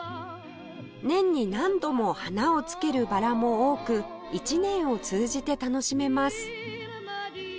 年に何度も花をつけるバラも多く１年を通じて楽しめます